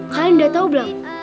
kalian udah tau belum